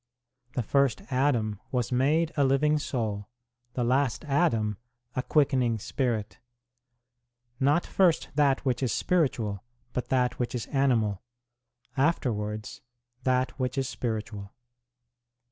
The first Adam was made a living soul ; the last Adam a quickening spirit. Not first that which is spiritual, but that which is animal; afterwards that which is spiritual.